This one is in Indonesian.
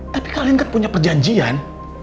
tapi kalian kan punya perjanjian